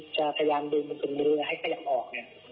จะพยายามดึงดุงมือให้จะยังออก